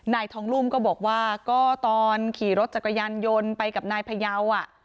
นายทองลุ่มก็บอกว่าก็ตอนขี่รถจักรยานยนต์ไปกับนายพยาว